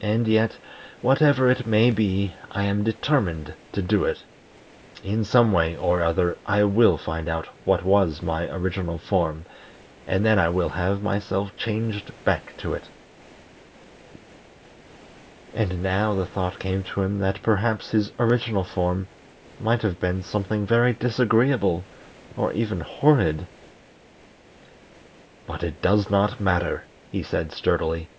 And yet, whatever it may be, I am determined to do it. In some way or other I will find out what was my original form, and then I will have myself changed back to it." And now the thought came to him that perhaps his original form might have been something very disagreeable, or even horrid. "But it does not matter," he said sturdily.